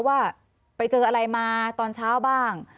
ว่าไปเจออะไรมาตอนเช้าบ้าง